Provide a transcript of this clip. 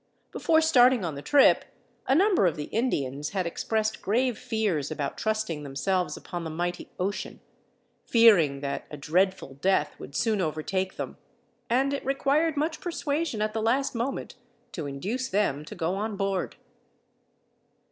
Before starting on the trip a number of the Indians had expressed grave fears about trusting themselves upon the mighty ocean, fearing that a dreadful death would soon overtake them, and it required much persuasion at the last moment to induce them to go on board.